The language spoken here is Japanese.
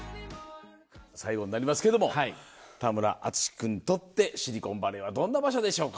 最後になりますけども田村淳君にとってシリコンバレーはどんな場所でしょうか。